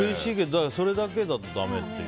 それだけだと、だめっていう。